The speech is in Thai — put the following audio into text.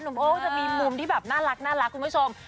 โอ้จะมีมุมที่แบบน่ารักคุณผู้ชม